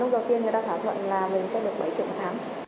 đầu tiên người ta thỏa thuận là mình sẽ được bảy triệu một tháng